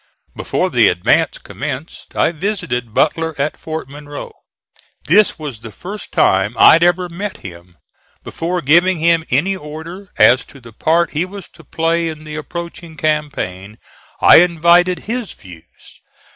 Before the advance commenced I visited Butler at Fort Monroe. This was the first time I had ever met him. Before giving him any order as to the part he was to play in the approaching campaign I invited his views.